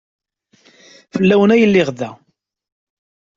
Fell-awen ay lliɣ da.